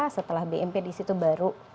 setelah bmp di situ baru